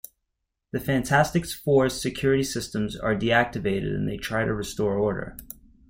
The Fantastic Four's security systems are deactivated and they try to restore order.